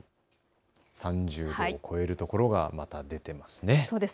３０度を超えるところがまた出ています。